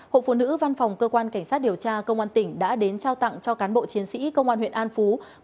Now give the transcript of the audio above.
hội phụ nữ văn phòng cơ quan cảnh sát điều tra công an tỉnh đã đến trao tặng cho cán bộ chiến sĩ công an huyện an phú